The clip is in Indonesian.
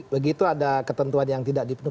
begitu ada ketentuan yang tidak dipenuhi